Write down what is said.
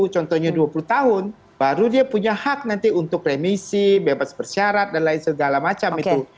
contohnya dua puluh tahun baru dia punya hak nanti untuk remisi bebas bersyarat dan lain segala macam itu